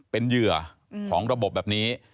เป็นเหยื่อของระบบแบบนี้